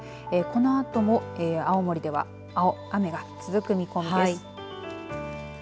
このあとも青森では雨が続く見込みです。